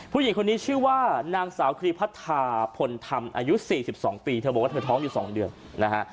ผู้หญิงคนนี้ชื่อว่านางสาวครีพัทธาพลธรรมอายุ๔๒ปีเธอบอกว่าเธอท้องอยู่๒เดือนนะฮะ